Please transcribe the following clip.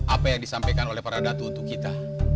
apa yang disampaikan oleh para datu untuk kita